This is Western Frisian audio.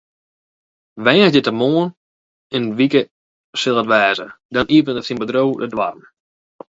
Woansdeitemoarn in wike sil it wêze, dan iepenet syn bedriuw de doarren.